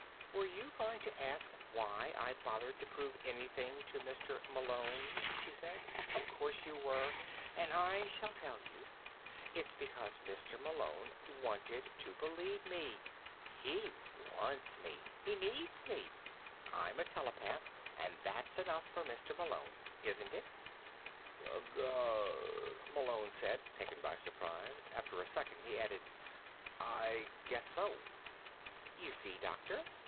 "Were you going to ask why I bothered to prove anything to Mr. Malone?" she said. "Of course you were, and I shall tell you. It's because Mr. Malone wanted to believe me. He wants me. He needs me. I'm a telepath, and that's enough for Mr. Malone. Isn't it?" "Gur," Malone said, taken by surprise. After a second he added: "I guess so." "You see, doctor?"